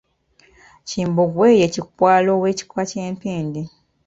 Kimbugwe ye Kikwalo ow'ekika ky'Empindi.